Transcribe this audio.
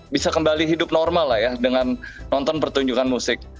bisa kembali hidup normal lah ya dengan nonton pertunjukan musik